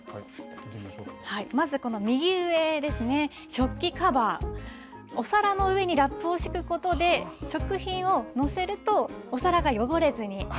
まずこの右上ですね、食器カバー、お皿の上にラップを敷くことで、食品を載せるとお皿が汚れずに。